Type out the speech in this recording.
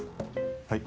はい。